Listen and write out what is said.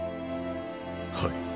はい。